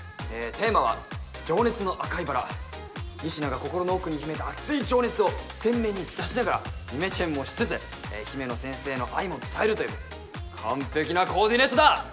テーマは情熱の赤いバラ仁科が心の奥に秘めた熱い情熱を全面に出しながらイメチェンもしつつ姫乃先生への愛も伝えるという完璧なコーディネートだ